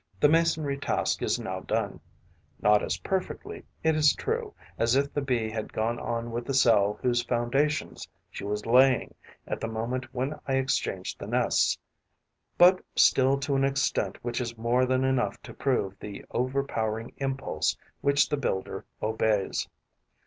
The masonry task is now done, not as perfectly, it is true, as if the Bee had gone on with the cell whose foundations she was laying at the moment when I exchanged the nests, but still to an extent which is more than enough to prove the overpowering impulse which the builder obeys.